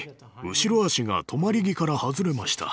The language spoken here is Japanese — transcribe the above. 後ろ足が止まり木から外れました。